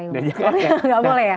gak boleh ya